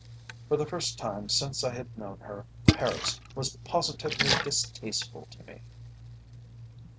For the first time since I had known her, Paris was positively distasteful to me.